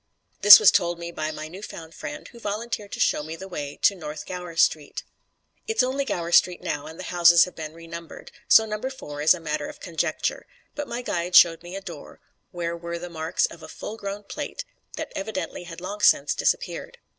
This was told me by my new found friend, who volunteered to show me the way to North Gower Street. It's only Gower Street now and the houses have been renumbered, so Number Four is a matter of conjecture; but my guide showed me a door where were the marks of a full grown plate that evidently had long since disappeared.